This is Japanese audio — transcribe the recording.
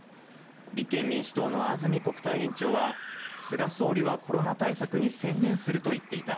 立憲民主党の安住国対委員長は、菅総理はコロナ対策に専念すると言っていた。